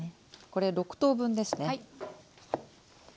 これ６等分ですね。